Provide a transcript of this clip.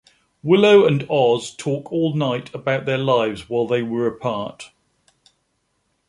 Willow and Oz talk all night about their lives while they were apart.